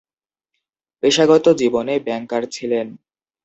পেশাগত জীবনে ব্যাংকার ছিলেন।